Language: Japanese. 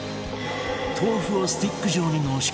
豆腐をスティック状に濃縮